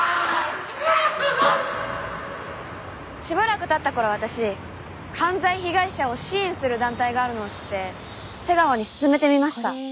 しばらく経った頃私犯罪被害者を支援する団体があるのを知って瀬川に勧めてみました。